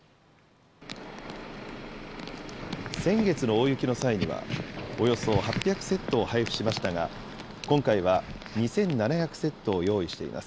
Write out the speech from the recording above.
先月の大雪の際には、およそ８００セットを配布しましたが、今回は２７００セットを用意しています。